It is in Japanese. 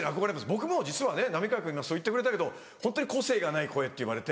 僕も実は浪川君今そう言ってくれたけどホントに個性がない声っていわれて。